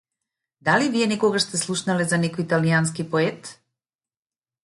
Дали вие некогаш сте слушнале за некој италијански поет?